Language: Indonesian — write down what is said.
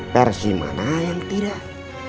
versi mana yang tidak